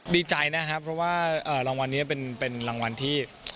ดีใจนะครับเพราะว่ารางวัลนี้เป็นรางวัลที่